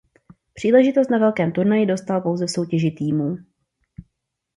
Příležitost na velkém turnaji dostal pouze v soutěži týmů.